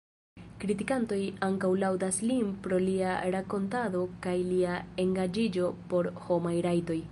Kritikantoj ankaŭ laŭdas lin pro lia rakontado kaj lia engaĝiĝo por homaj rajtoj.